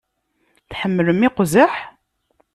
Tḥemmlem iqzaḥ?